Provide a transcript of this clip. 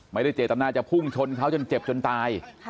ไม่ได้เจตนาจะพุ่งชนเขาจนเจ็บจนตาย